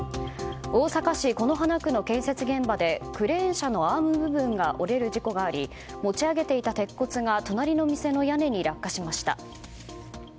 大阪市此花区の建設現場でクレーン車のアーム部分が折れる事故があり持ち上げていた鉄骨が隣の店の屋根に落下しました。